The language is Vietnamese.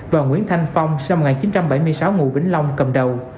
và nguyễn thanh phong sinh năm một nghìn chín trăm bảy mươi sáu ngụ vĩnh long cầm đầu